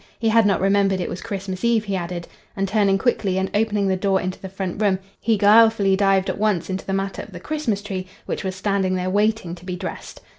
He had not remembered it was Christmas Eve, he added; and, turning quickly and opening the door into the front room he guilefully dived at once into the matter of the Christmas tree which was standing there waiting to be dressed.